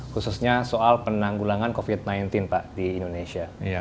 khususnya soal penanggulangan covid sembilan belas pak di indonesia